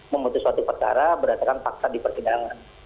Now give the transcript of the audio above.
memutus suatu perkara berdasarkan paksa dipertidangan